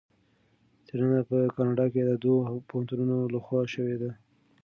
څېړنه په کاناډا کې د دوه پوهنتونونو لخوا شوې ده.